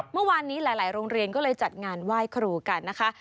เมื่อวานนี้หลายโรงเรียนก็เลยจัดงานไหว้ครูกันนะคะ